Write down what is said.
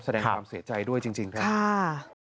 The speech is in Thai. แสดงความเสียใจด้วยจริงครับ